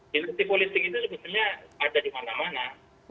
dinasti politik itu sebetulnya ada di mana mana